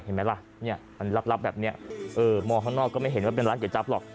เห็นไหมล่ะเนี่ยมันลับแบบนี้มองข้างนอกก็ไม่เห็นว่าเป็นร้านก๋วจับหรอก